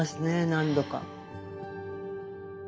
何度か。